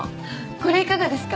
これいかがですか？